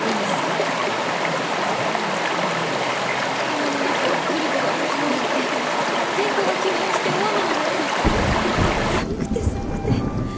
山の中をぐるぐる歩き回って天候が急変して大雨になって寒くて寒くて。